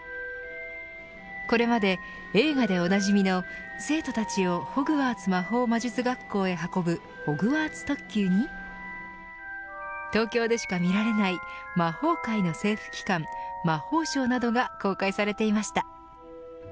これまで映画でおなじみの生徒たちをホグワーツ魔法魔術学校へ運ぶホグワーツ特急に東京でしか見られない魔法界の政府機関、魔法省などが公開されていました。